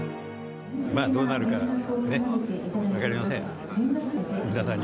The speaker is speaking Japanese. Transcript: どうなるかね、分かりません。